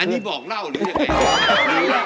อันนี้บอกเล่าหรือยังไง